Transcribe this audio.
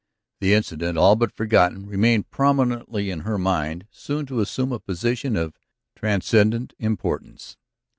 The incident, all but forgotten, remained prominently in her mind, soon to assume a position of transcendent importance.